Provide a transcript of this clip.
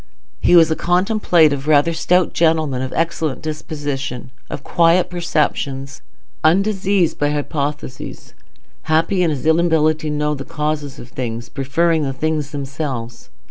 He was a contemplative, rather stout gentleman, of excellent digestion; of quiet perceptions, undiseased by hypothesis; happy in his inability to know the causes of things, preferring the things themselves.